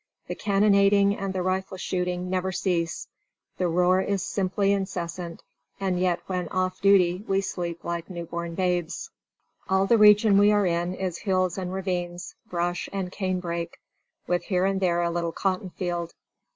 The cannonading and the rifle shooting never cease. The roar is simply incessant, and yet when off duty we sleep like newborn babes. "All the region we are in is hills and ravines, brush and cane brake, with here and there a little cotton field.